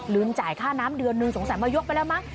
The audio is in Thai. จ่ายค่าน้ำเดือนนึงสงสัยมายกไปแล้วมั้ง